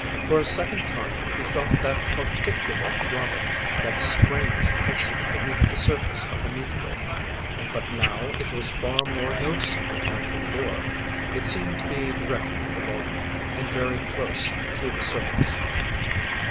For a second time he felt that particular throbbing, that strange pulsing beneath the surface of the meteor. But now it was far more noticeable than before. It seemed to be directly below him, and very close to the surface.